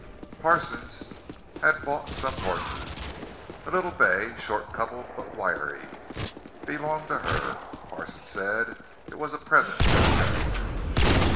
Parsons had bought some horses. A little bay, short coupled but wiry, belonged to her, Parsons said—it was a present from Carrington.